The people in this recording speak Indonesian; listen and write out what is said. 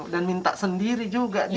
dan minta sendiri juga di